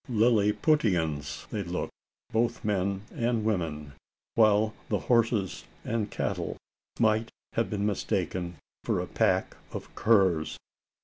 Lilliputians they looked both men and women while the horses and cattle might have been mistaken for a pack of curs.